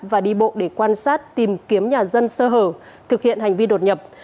và đi bộ để quan sát tìm kiếm nhà dân sơ hở thực hiện hành vi đột nhập